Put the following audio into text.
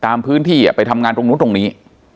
ตามพื้นที่ไปทำงานตรงนู้นตรงนี้